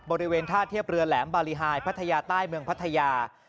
บริเวณท่าเทียบเรือแหลมบารีไฮพัทยาใต้เมืองพัทยา